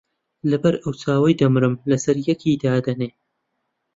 لەبەر ئەو چاوەی دەمرم لەسەر یەکی دادەنێ